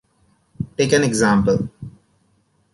Take an example.